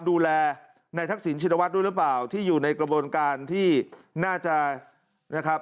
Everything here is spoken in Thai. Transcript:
ดูแลในทักษิณชินวัฒน์ด้วยหรือเปล่าที่อยู่ในกระบวนการที่น่าจะนะครับ